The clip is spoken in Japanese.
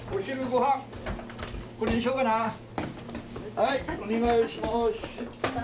はいお願いします。